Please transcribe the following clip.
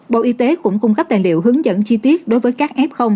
bộ y tế cũng cung cấp tài liệu hướng dẫn chi tiết đối với các f